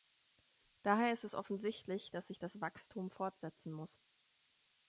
Daher ist es offensichtlich, dass sich das Wachstum fortsetzen muss.